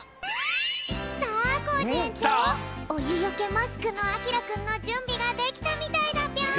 さあコージ園長おゆよけマスクのあきらくんのじゅんびができたみたいだぴょん。